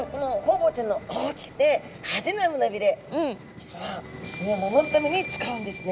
実は身を守るために使うんですね。